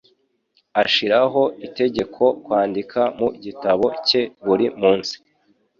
Ashiraho itegeko kwandika mu gitabo cye buri munsi.